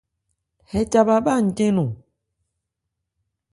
Hɛ ca bha bhá ncɛ́n nɔ́n ?